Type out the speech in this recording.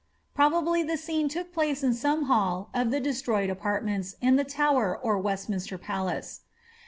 Probably the scene took place in some hall of the destroyed apartments, in the Tower or Westminster Palace.